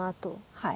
はい。